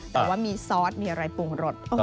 แต่ว่ามีซอสมีอะไรปรุงรส